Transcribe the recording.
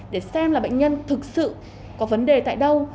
để xem là bệnh nhân thực sự có vấn đề tại đâu